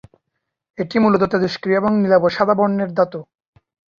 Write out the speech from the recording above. এটি মূলত তেজস্ক্রিয় এবং নীলাভ সাদা বর্ণের ধাতু।